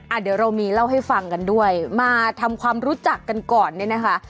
เดี๋ยวเรามีเล่าให้ฟังกันด้วยมาทำความรู้จักกันก่อนเนี่ยนะคะ